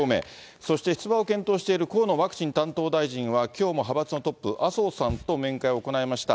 そして出馬を検討している河野ワクチン担当大臣はきょうも派閥のトップ、麻生さんと面会を行いました。